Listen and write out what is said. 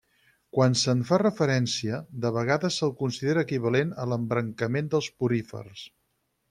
Quan se'n fa referència, de vegades se'l considera equivalent a l'embrancament dels porífers.